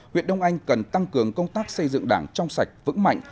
huyện đông anh cần tăng cường công tác xây dựng đảng trong sạch vững mạnh